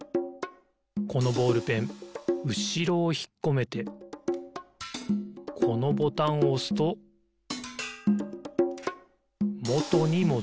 このボールペンうしろをひっこめてこのボタンをおすともとにもどる。